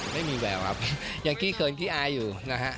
ไม่มีแววครับยังขี้เขินขี้อายอยู่นะฮะ